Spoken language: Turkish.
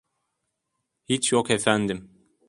Hiç yok efendim.